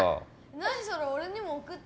何それ俺にも送って。